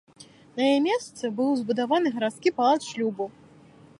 На яе месцы быў збудаваны гарадскі палац шлюбу.